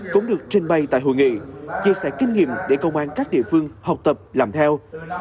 cũng được trình bày tại hội nghị chia sẻ kinh nghiệm để công an các địa phương học tập làm theo